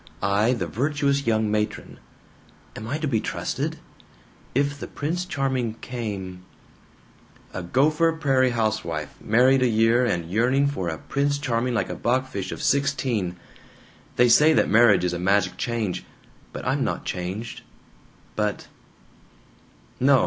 I, the virtuous young matron. Am I to be trusted? If the Prince Charming came "A Gopher Prairie housewife, married a year, and yearning for a 'Prince Charming' like a bachfisch of sixteen! They say that marriage is a magic change. But I'm not changed. But "No!